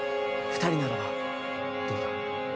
二人ならばどうだ？